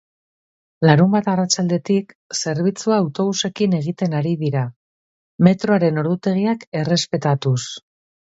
Larunbat arratsaldetik zerbitzua autobusekin egiten ari dira, metroaren ordutegiak errespetatuz.